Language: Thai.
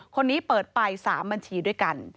คนนี้เปิดไป๓บัญชีด้วยกัน